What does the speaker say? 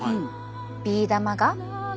ビー玉が。